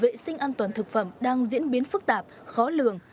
vệ sinh an toàn thực phẩm đang diễn biến phức tạp khó lường